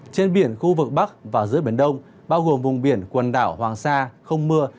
trên biển khu vực bắc và giữa biển đông bao gồm vùng biển quần đảo hoàng sa không mưa